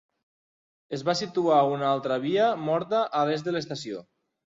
Es va situar una altra via morta a l'est de l'estació.